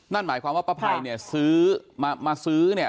นั่นหมายความว่าป้าภัยเนี่ยซื้อมาซื้อเนี่ย